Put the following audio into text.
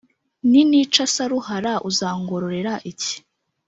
ninica Saruhara uzangororera iki?